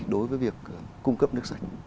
đối với việc cung cấp nước sạch